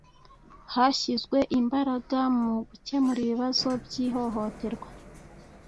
hashyizwe imbaraga mu gukemura ibibazo by' ihohoterwa